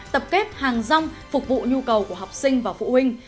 tập kết hàng rong phục vụ nhu cầu của học sinh và phụ huynh